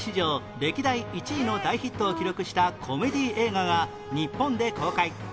歴代１位の大ヒットを記録したコメディー映画が日本で公開